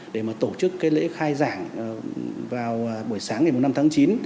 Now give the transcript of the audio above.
để mà tổ chức cái lễ khai giảng vào buổi sáng ngày năm tháng chín